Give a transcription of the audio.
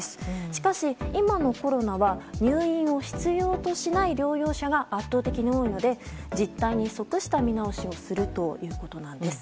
しかし今のコロナは入院を必要としない療養者が圧倒的に多いので実態に即した見直しをするということなんです。